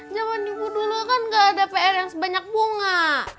zaman ibu dulu kan gak ada pr yang sebanyak bunga